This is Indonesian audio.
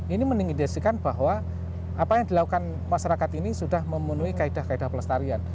ini meninggisikan bahwa apa yang dilakukan masyarakat ini sudah memenuhi kaedah kaedah pelestarian